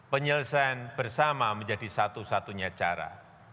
penyelesaian bersama menjadi satu satunya cara